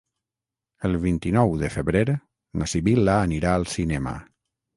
El vint-i-nou de febrer na Sibil·la anirà al cinema.